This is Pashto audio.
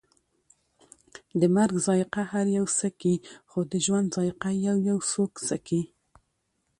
د مرګ ذائقه هر یو څکي، خو د ژوند ذائقه یویو څوک څکي